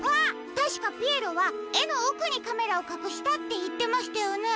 たしかピエロは「えのおくにカメラをかくした」っていってましたよね。